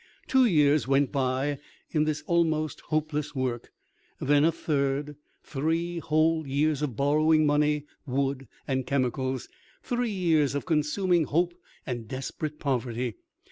Two years went by in this almost hopeless work, then a third, three whole years of borrowing money, wood, and chemicals; three years of consuming hope and desperate poverty.